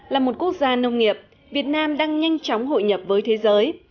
là một quốc gia nông nghiệp việt nam đang nhanh chóng hội nhập với thế giới